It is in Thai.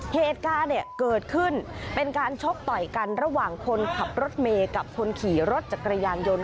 เหตุการณ์เนี่ยเกิดขึ้นเป็นการชกต่อยกันระหว่างคนขับรถเมย์กับคนขี่รถจักรยานยนต์